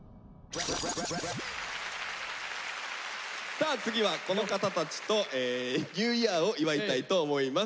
さあ次はこの方たちとニューイヤーを祝いたいと思います。